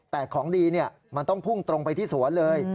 แต่ของดีมันต้องพุ่งตรงไปที่สวนเลย